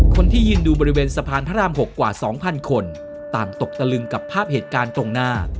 คนที่ยืนดูบริเวณสะพานพระราม๖กว่า๒๐๐คนต่างตกตะลึงกับภาพเหตุการณ์ตรงหน้า